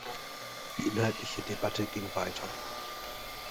Die inhaltliche Debatte ging weiter.